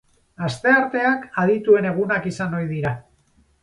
Astearteak adituen egunak izan ohi dira.